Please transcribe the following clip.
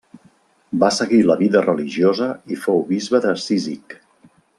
Va seguir la vida religiosa i fou bisbe de Cízic.